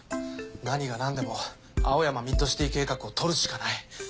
何がなんでも青山ミッドシティ計画をとるしかない！